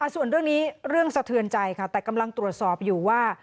ส่วนเรื่องนี้เรื่องสะเทือนใจค่ะแต่กำลังตรวจสอบอยู่ว่า